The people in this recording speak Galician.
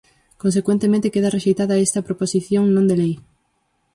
Consecuentemente, queda rexeitada esta proposición non de lei.